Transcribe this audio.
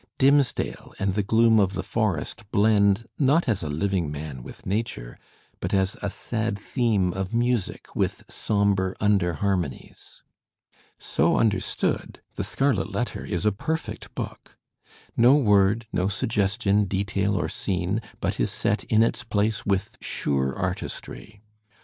Dimmesdale and the gloom of the forest blend not as a living man with nature but as a sad theme of music with sombre under harmonies. So understood, "The Scarlet Letter" is a perfect book. No word, no suggestion, detail or scene, but is set in its place with sure artistry.